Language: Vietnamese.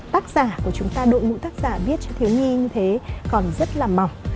tác giả của chúng ta đội ngũ tác giả viết cho thiếu nhi như thế còn rất là mỏng